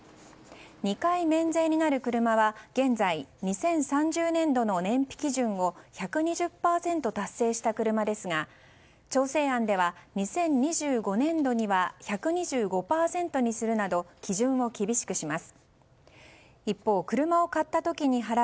２回免税になる車は現在、２０３０年度の燃費基準を１２０％達成した車ですが調整案では、２０２５年度には１２５％にするなど基準を厳しくします。